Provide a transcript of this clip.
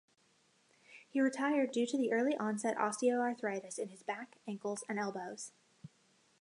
He retired do to the early onset osteoarthritis in his back, ankles and elbows.